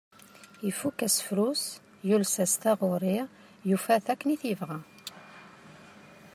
Ifukk asefru-s, yules-as taɣuri, yufa-t akken i t-yebɣa.